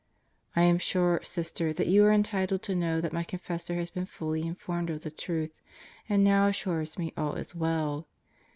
I am sure, Sister, that you are entitled to know that my Confessor has been fully informed of the truth and now assures me all is well.